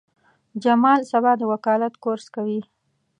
جمال سبا د وکالت کورس کوي.